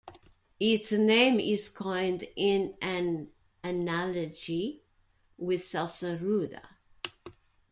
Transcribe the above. Its name is coined in an analogy with Salsa Rueda.